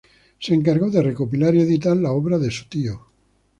Se encargó de recopilar y editar la obra de su tío.